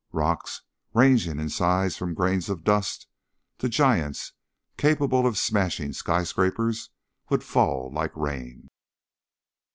Rocks ranging in size from grains of dust to giants capable of smashing skyscrapers would fall like rain.